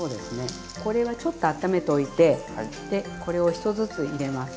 これはちょっと温めておいてこれを１つずつ入れます。